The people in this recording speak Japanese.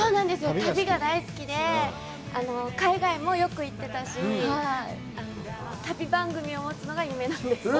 旅が大好きで、海外もよく行ってたし、旅番組を持つのが夢なんです。